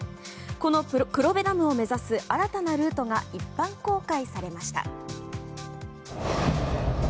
この黒部ダムを目指す新たなルートが一般公開されました。